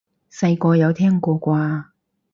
細個有聽過啩？